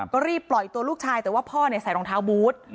ก็รีบปล่อยตัวลูกชายแต่ว่าพ่อใส่รองเท้าบูธ